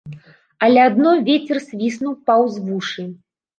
Але адно вецер свіснуў паўз вушы.